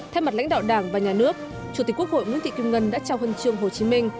thay mặt lãnh đạo đảng và nhà nước chủ tịch quốc hội nguyễn thị kim ngân đã trao hân trường hồ chí minh